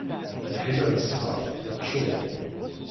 Lḥila n ssbaṛ teččur.